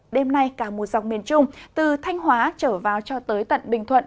đêm nay cả mùa dòng miền trung từ thanh hóa trở vào cho tới tận bình thuận